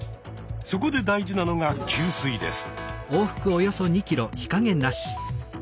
そこで大事なのが給水です。